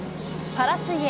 パラ水泳。